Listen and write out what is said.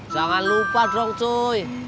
jangan lupa dong cuy